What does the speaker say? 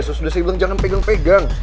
sudah saya bilang jangan pegang pegang